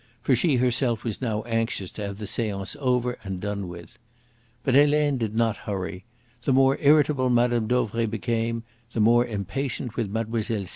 For she herself was now anxious to have the seance over and done with. But Helene did not hurry. The more irritable Mme. Dauvray became, the more impatient with Mlle.